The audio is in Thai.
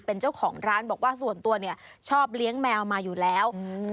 เป็นเจ้าของร้านบอกว่าส่วนตัวเนี่ยชอบเลี้ยงแมวมาอยู่แล้วอืม